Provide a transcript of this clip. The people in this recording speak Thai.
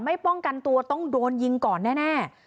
ป้องกันตัวต้องโดนยิงก่อนแน่